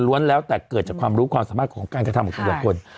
แล้วแต่เกิดจากความรู้ความสามารถของการกระทำของแต่ละคน